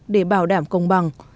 để bảo đảm công bằng